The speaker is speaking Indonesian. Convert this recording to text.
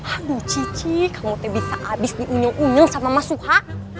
aduh cici kamu teh bisa abis diunyel unyel sama mas suha